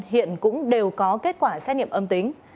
hiện cũng đều có kết quả xét nghiệm âm tính